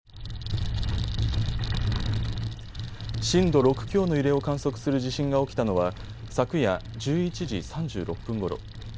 震度６強の揺れを観測する地震が起きたのは昨夜１１時３６分ごろ。